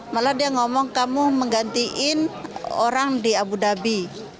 malah dia ngomong kamu menggantiin orang di abu dhabi